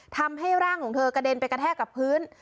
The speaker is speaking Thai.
ทำให้ร่างของเธอกระเด็นไปกระแทกกับพื้น